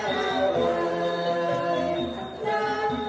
การทีลงเพลงสะดวกเพื่อความชุมภูมิของชาวไทย